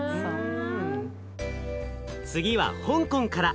次は香港から。